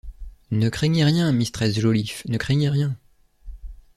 Ne craignez rien, mistress Joliffe, ne craignez rien!